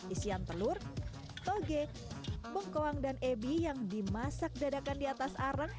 isian telur toge bengkoang dan ebi yang dimasak dadakan di atas arang